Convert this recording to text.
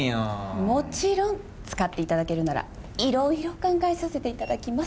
もちろん使っていただけるならいろいろ考えさせて頂きます。